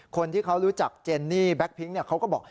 คนที่เขารู้จักเจนนี่แบ็คพิ้งเขาก็บอก